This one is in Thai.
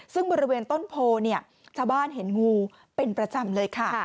ซึ่งบริเวณต้นโพเนี่ยชาวบ้านเห็นงูเป็นประจำเลยค่ะ